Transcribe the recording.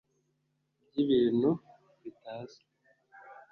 byibintu bitazwi